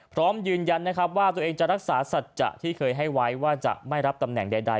พร้อมยืนยันนะครับว่าตัวเองจะรักษาสัจจะที่เคยให้ไว้ว่าจะไม่รับตำแหน่งใด